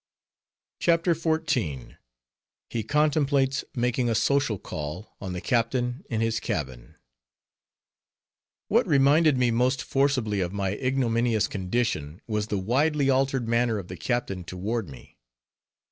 CHAPTER XIV. HE CONTEMPLATES MAKING A SOCIAL CALL ON THE CAPTAIN IN HIS CABIN What reminded me most forcibly of my ignominious condition, was the widely altered manner of the captain toward me.